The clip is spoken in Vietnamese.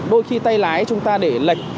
đôi khi tay lái chúng ta để lệch